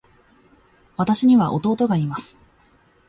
私には弟がいます。